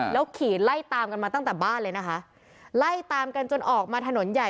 แล้วขี่ไล่ตามกันมาตั้งแต่บ้านเลยนะคะไล่ตามกันจนออกมาถนนใหญ่